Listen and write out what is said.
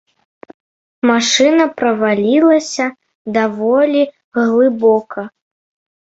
Машына правалілася даволі глыбока.